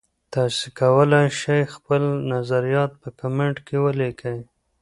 تاسي کولای شئ خپل نظریات په کمنټ کې ولیکئ.